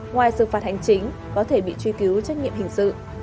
ngoài xử phạt hành chính có thể bị truy cứu trách nhiệm hình sự